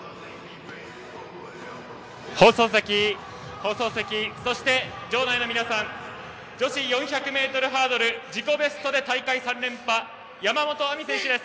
放送席、そして場内の皆さん女子４００ｍハードル自己ベストで大会３連覇山本亜美選手です。